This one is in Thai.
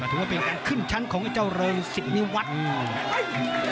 ถึงเป็นการขึ้นชั้นของเจ้าเริงสิบนิวัตต์